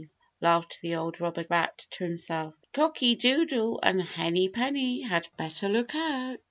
laughed the old robber rat to himself, "Cocky Doodle and Henny Penny had better look out."